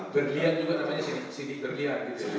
berlian juga namanya sidik berlian